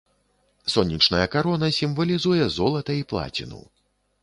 Сонечная карона сімвалізуе золата і плаціну.